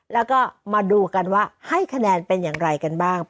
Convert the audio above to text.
แล้วก็มาดูกันว่าให้คะแนนเป็นอย่างไรกันบ้าง